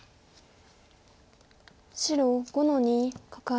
白５の二カカエ。